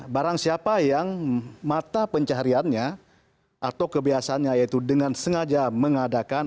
barang siapa yang mata pencahariannya atau kebiasaannya yaitu dengan sengaja mengadakan